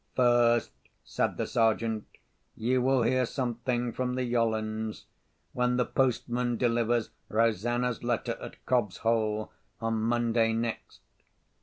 "First," said the Sergeant, "you will hear something from the Yollands—when the postman delivers Rosanna's letter at Cobb's Hole, on Monday next."